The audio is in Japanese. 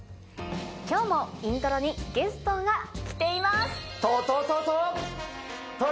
今日も『イントロ』にゲストが来ています。